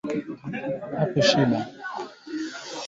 Dalili za ugonjwa wa kimeta ni pamoja na kifo cha ghafla kwa wanyama